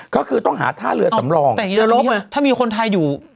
ก็คือต้องหาท่าเรือสำรองแต่อย่างนี้ถ้ามีคนไทยอยู่